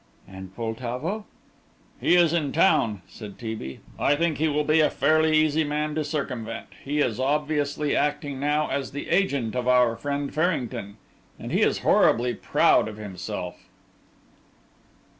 "And Poltavo?" "He is in town," said T. B. "I think he will be a fairly easy man to circumvent; he is obviously acting now as the agent of our friend Farrington, and he is horribly proud of himself!"